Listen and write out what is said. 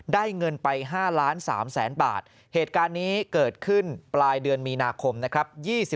เงินไป๕ล้าน๓แสนบาทเหตุการณ์นี้เกิดขึ้นปลายเดือนมีนาคมนะครับ